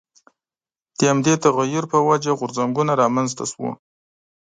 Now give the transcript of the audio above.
د همدې تغییر په وجه غورځنګونه رامنځته شول.